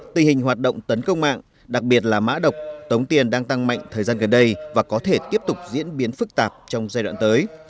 tình hình hoạt động tấn công mạng đặc biệt là mã độc tống tiền đang tăng mạnh thời gian gần đây và có thể tiếp tục diễn biến phức tạp trong giai đoạn tới